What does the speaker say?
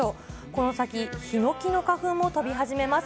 この先、ヒノキの花粉も飛び始めます。